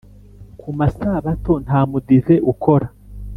Ku masabato nta mudive ukora